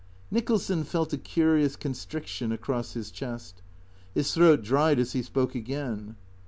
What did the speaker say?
Nicholson felt a curious constriction across his chest. His tnroat dried as he spoke again.